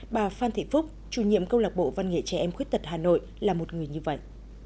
bà phan thị phúc chủ nhiệm câu lạc bộ văn nghệ trẻ em khuyết tật hà nội là một người như vậy